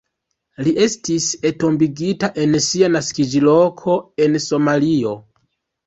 Li estis entombigita en sia naskiĝloko en Somalio.